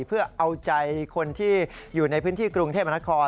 เพื่อเอาใจคนที่อยู่ในพื้นที่กรุงเทพมนาคม